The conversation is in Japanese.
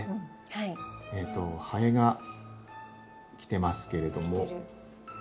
ハエが来てますけれども。来てる。